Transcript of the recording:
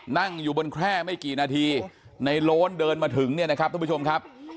นั่งอยู่บนแคร่ไม่กี่นาทีในโล้นเดินมาถึงเนี่ยนะครับทุกผู้ชมครับ